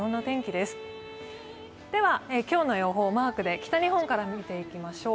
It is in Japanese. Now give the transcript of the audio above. では今日の予報をマークで北日本から見ていきましょう。